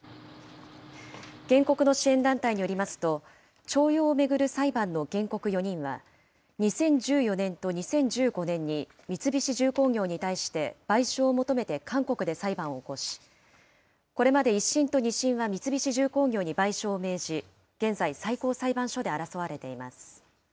原告の支援団体によりますと、徴用を巡る裁判の原告４人は、２０１４年と２０１５年に、三菱重工業に対して賠償を求めて韓国で裁判を起こし、これまで１審と２審は三菱重工業に賠償を命じ、現在、最高裁判所で争われています。